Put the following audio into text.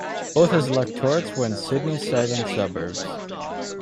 Both his electorates were in Sydney's southern suburbs.